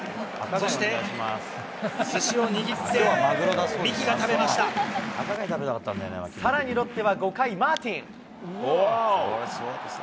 そしてすしを握って、三木がさらにロッテは５回、マーティン。